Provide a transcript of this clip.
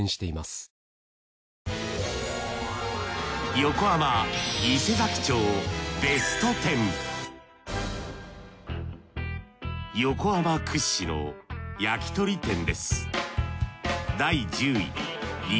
横浜屈指の焼き鳥店です